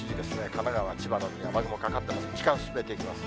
神奈川、千葉などに雨雲がかかってます。